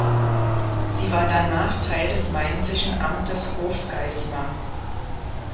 Sie war danach Teil des mainzischen Amtes Hofgeismar.